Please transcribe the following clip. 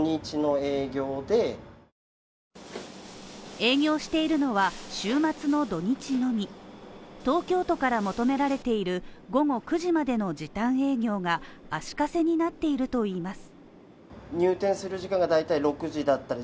営業しているのは週末の土日のみ、東京都から求められている午後９時までの時短営業が足かせになっているといいます。